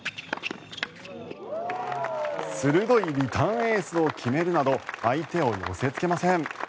鋭いリターンエースを決めるなど相手を寄せつけません。